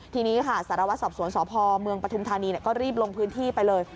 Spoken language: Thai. ทีนี้ค่ะสารวัตรสอบสวนสพเมืองปฐุมธานีก็รีบลงพื้นที่ไปเลย